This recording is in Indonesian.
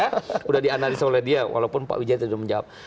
sudah dianalisis oleh dia walaupun pak wijaya tidak menjawab